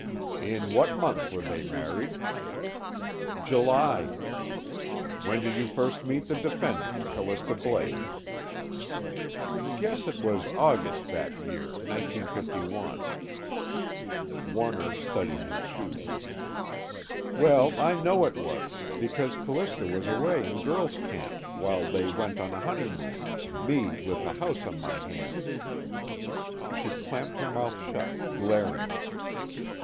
"In what month were they married?" "July." "When did you first meet the defendant, Callista Blake?" "Guess it was August that year, 1951." Warner studied his shoes. "Well, I know it was, because C'lista was away in girls' camp while they went on a honeymoon, me with the house on my hands " she clamped her mouth shut, glaring.